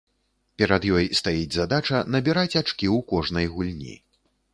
Перад ёй стаіць задача набіраць ачкі ў кожнай гульні.